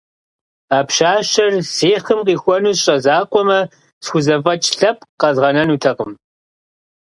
А пщащэр си хъым къихуэну сщӀэ закъуэмэ, схузэфӀэкӀ лъэпкъ къэзгъэнэнутэкъым.